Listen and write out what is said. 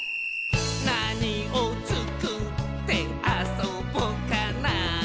「なにをつくってあそぼかな」